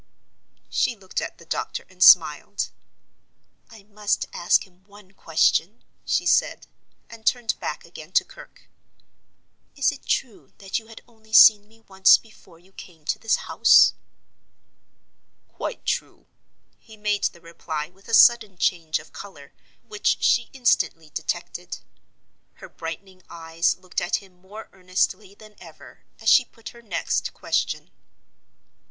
She looked at the doctor and smiled. "I must ask him one question," she said, and turned back again to Kirke. "Is it true that you had only seen me once before you came to this house?" "Quite true!" He made the reply with a sudden change of color which she instantly detected. Her brightening eyes looked at him more earnestly than ever, as she put her next question.